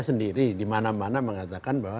sendiri di mana mana mengatakan bahwa